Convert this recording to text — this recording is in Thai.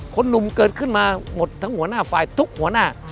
หนุ่มเกิดขึ้นมาหมดทั้งหัวหน้าฝ่ายทุกหัวหน้า